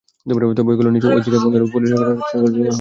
তবে এগুলো ঐচ্ছিক এবং এলো পরিচালনার খরচ চালানোর জন্যই করা হবে।